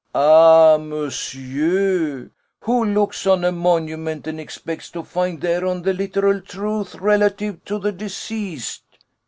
"Ah! monsieur, who looks on a monument and expects to find thereon the literal truth relative to the deceased?"